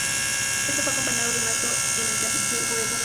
Esto fue acompañado de un acto al que asistió el poeta homenajeado.